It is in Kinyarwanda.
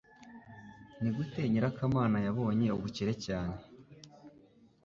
Nigute nyirakamana yabonye ubukire cyane?